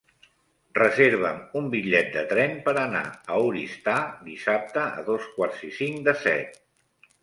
Reserva'm un bitllet de tren per anar a Oristà dissabte a dos quarts i cinc de set.